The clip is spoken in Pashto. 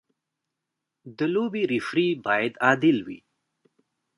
د لوبې ریفري باید عادل وي.